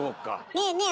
ねえねえ